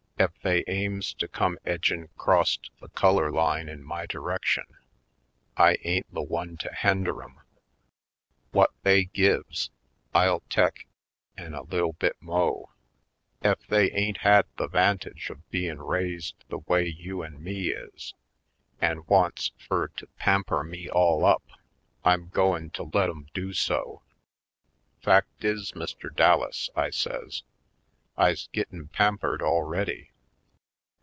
Ef they aims to come edgin' 'crost the culler line in my direction, I ain't the one to hender 'em. Whut they gives, I'll tek an' a lil' bit mo'. Ef they ain't had the 'vantage of bein' raised the way you an' me is, an' wants fur to pamper me all up, I'm goin' to let 'em do so. Fact is, Mr. Dallas," I says, "I's gittin' pampered already.